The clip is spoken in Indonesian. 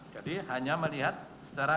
jadi hanya melihat secara